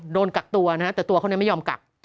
โดนกักตัวนะฮะแต่ตัวเขาไม่ยอมกัก